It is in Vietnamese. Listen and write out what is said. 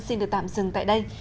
xin được tạm dừng tại đây